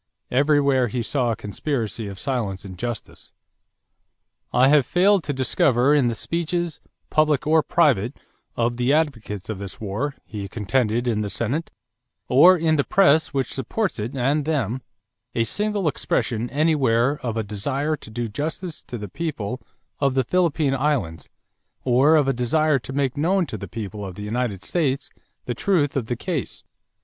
Everywhere he saw a conspiracy of silence and injustice. "I have failed to discover in the speeches, public or private, of the advocates of this war," he contended in the Senate, "or in the press which supports it and them, a single expression anywhere of a desire to do justice to the people of the Philippine Islands, or of a desire to make known to the people of the United States the truth of the case....